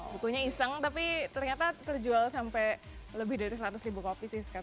bukunya iseng tapi ternyata terjual sampai lebih dari seratus ribu kopi sih sekarang